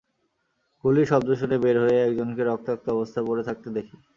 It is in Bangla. গুলির শব্দ শুনে বের হয়ে একজনকে রক্তাক্ত অবস্থায় পড়ে থাকতে দেখি।